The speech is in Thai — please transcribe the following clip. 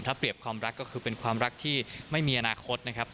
ถ้าเปรียบความรักก็คือเป็นความรักที่ไม่มีอนาคตนะครับ